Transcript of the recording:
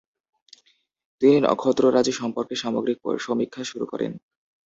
তিনি নক্ষত্ররাজি সম্পর্কে সামগ্রিক সমীক্ষা শুরু করেন।